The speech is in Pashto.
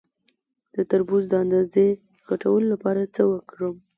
د تربوز د اندازې غټولو لپاره څه وکړم؟